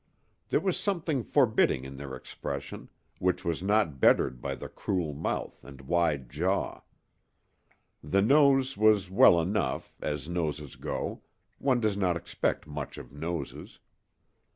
There was something forbidding in their expression, which was not bettered by the cruel mouth and wide jaw. The nose was well enough, as noses go; one does not expect much of noses.